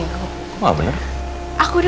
ini udah nggak bener ya dek